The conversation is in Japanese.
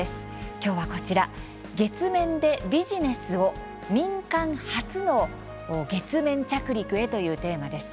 今日はこちら「月面でビジネスを民間初の月面着陸へ」というテーマです。